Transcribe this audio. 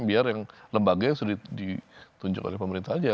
biar yang lembaga yang sudah ditunjuk oleh pemerintah aja